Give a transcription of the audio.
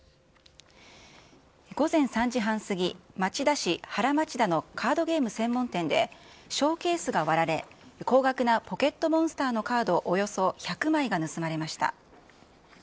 午前３時半過ぎ、町田市原町田のカードゲーム専門店で、ショーケースが割られ、高額なポケットモンスターのカードおよそ１００枚が盗まれました。